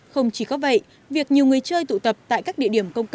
không chỉ có vậy việc nhiều người chơi tụ tập tại các địa điểm công cộng